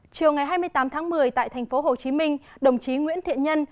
chiều ngày hai mươi tám tháng một mươi tại tp hcm đồng chí nguyễn thiện nhân